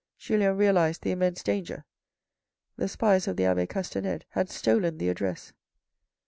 Julien realised the immense danger. The spies of the abbe Castanede had stolen the address.